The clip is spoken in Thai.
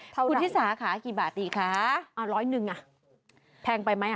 คุณฮิษาค่ะกี่บาทอีกคะอ่ะ๑๐๑บาทแพงไปไหมอ่ะ